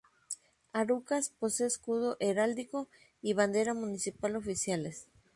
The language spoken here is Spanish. Arucas posee escudo heráldico y bandera municipal oficiales.